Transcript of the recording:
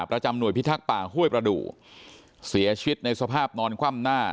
ประจำหน่วยพิทักษ์ป่าห้วยประดูกเสียชีวิตในสภาพนอนคว่ำหน้า